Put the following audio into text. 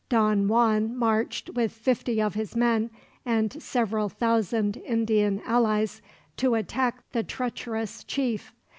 Don Juan marched, with fifty of his men and several thousand Indian allies, to attack the treacherous chief.